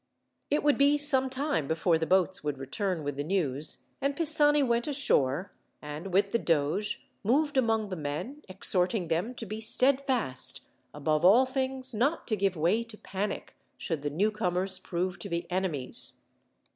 It would be some time before the boats would return with the news, and Pisani went ashore, and, with the doge, moved among the men, exhorting them to be steadfast, above all things not to give way to panic, should the newcomers prove to be enemies.